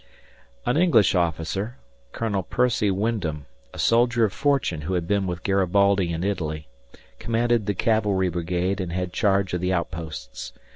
An English officer, Colonel Percy Wyndham, a soldier of fortune who had been with Garibaldi in Italy, commanded the cavalry brigade and had charge of the outposts.